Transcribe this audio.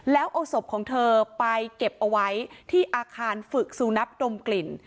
แล้วเอาศพของเธอไปเก็บเอาไว้ที่อาคารฝึกสูนักดมกลิ่น